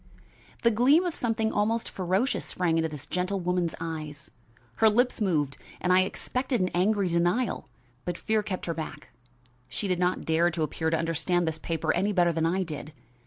The gleam of something almost ferocious sprang into this gentle woman's eyes. Her lips moved and I expected an angry denial, but fear kept her back. She did not dare to appear to understand this paper any better than I did.